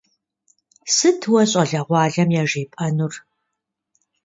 Сыт уэ щӏалэгъуалэм яжепӏэжынур?